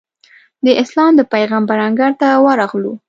د اسلام د پېغمبر انګړ ته ورغلو.